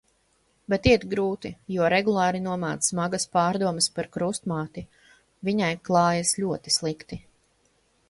Bet iet grūti, jo regulāri nomāc smagas pārdomas par Krustmāti. Viņai klājas ļoti slikti.